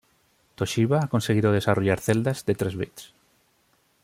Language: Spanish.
Toshiba ha conseguido desarrollar celdas de tres bits.